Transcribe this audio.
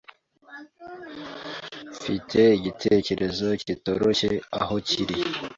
Mfite igitekerezo kitoroshye aho kiri.